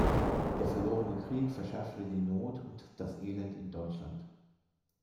Der verlorene Krieg verschärfte die Not und das Elend in Deutschland.